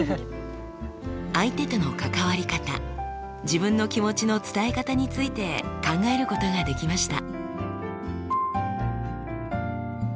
相手との関わり方自分の気持ちの伝え方について考えることができました。